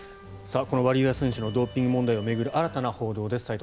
このワリエワ選手のドーピング問題を巡る新たな報道です。